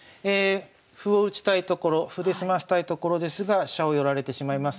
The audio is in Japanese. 歩を打ちたいところ歩で済ませたいところですが飛車を寄られてしまいます。